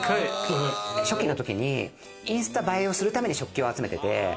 初期のときにインスタ映えをするために食器を集めてて。